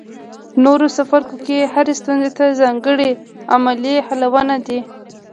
نورو څپرکو کې هرې ستونزې ته ځانګړي عملي حلونه دي.